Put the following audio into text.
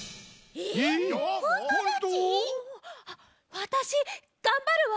わたしがんばるわ！